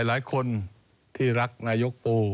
หลายคนที่รักนายกปูก็อาจจะบอกว่า